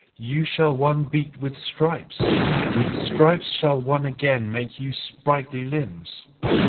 You, shall one beat with stripes! With stripes shall one again make you sprightly limbs.